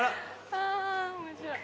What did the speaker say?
あ面白い。